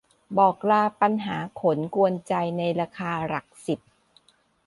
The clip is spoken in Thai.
บอกลาปัญหาขนกวนใจในราคาหลักสิบ